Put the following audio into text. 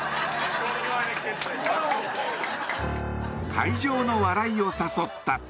会場の笑いを誘った。